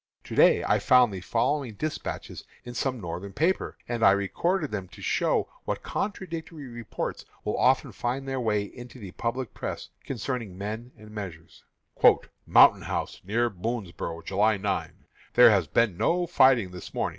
To day I found the following despatches in some Northern paper, and I record them to show what contradictory reports will often find their way into the public press concerning men and measures: "Mountain House, near Boonsboro', July 9. There has been no fighting this morning.